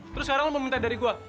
terus sekarang lo mau minta dari gue